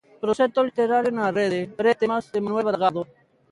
Proxecto literario na rede Brétemas, de Manuel Bragado.